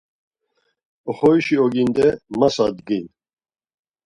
Oxorişi oginde masa dgin.